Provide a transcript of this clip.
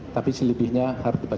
tapi selibihnya harus dibacakan